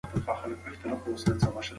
په فضا کې د شپې او ورځې توپیر نشته.